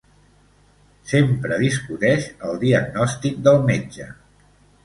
Sempre discuteix el diagnòstic del metge.